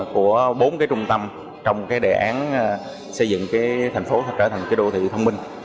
của bốn cái trung tâm trong cái đề án xây dựng cái thành phố trở thành cái đô thị thông minh